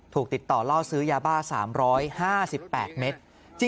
ติดต่อล่อซื้อยาบ้า๓๕๘เมตร